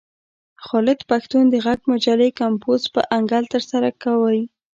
خالد پښتون د غږ مجلې کمپوز په انکل ترسره کاوه.